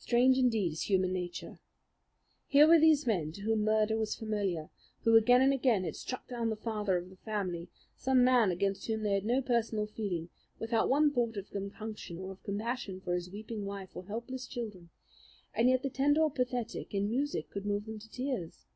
Strange indeed is human nature. Here were these men, to whom murder was familiar, who again and again had struck down the father of the family, some man against whom they had no personal feeling, without one thought of compunction or of compassion for his weeping wife or helpless children, and yet the tender or pathetic in music could move them to tears.